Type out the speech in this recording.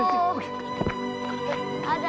mas kakak beres ya